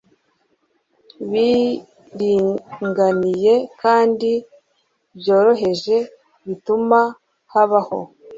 biringaniye kandi byoroheje, bituma habaho